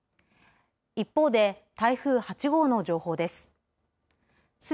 一方で、台風８号の情報です。